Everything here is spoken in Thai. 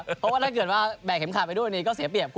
เพราะว่าถ้าเกิดว่าแบ่งเข็มขาดไปรู่รายนี้ก็เสียเปรียบ